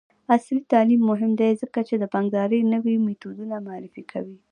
عصري تعلیم مهم دی ځکه چې د بانکدارۍ نوې میتودونه معرفي کوي.